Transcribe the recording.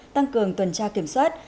tăng cường tuần tra kiểm soát